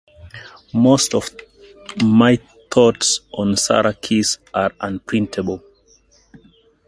Most of my thoughts on Sara Keays are unprintable.